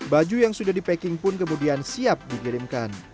baju yang sudah di packing pun kemudian siap dikirimkan